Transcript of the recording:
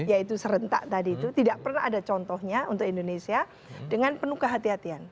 yaitu serentak tadi itu tidak pernah ada contohnya untuk indonesia dengan penuh kehatian